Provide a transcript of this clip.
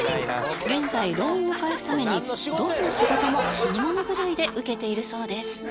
現在ローンを返すためにどんな仕事も死に物狂いで受けているそうです。